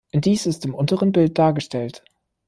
Dies ist im unteren Bild dargestellt.